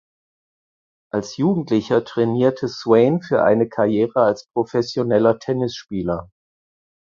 Als Jugendlicher trainierte Swain für eine Karriere als professioneller Tennisspieler.